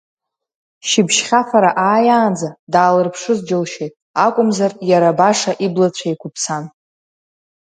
Шьыбжьхьафара ааиаанӡа, даалырԥшыз џьылшьеит, акәымзар иара баша иблацәа еиқәыԥсан.